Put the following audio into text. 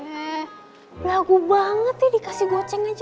eh lagu banget ya dikasih goceng aja